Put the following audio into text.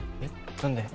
何で？